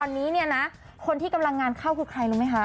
ตอนนี้เนี่ยนะคนที่กำลังงานเข้าคือใครรู้ไหมคะ